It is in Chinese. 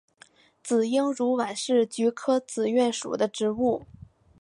紫缨乳菀是菊科紫菀属的植物。